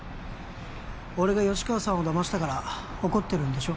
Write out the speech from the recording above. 俺が吉川さんを騙したから怒ってるんでしょ？